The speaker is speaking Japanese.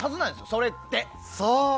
それって。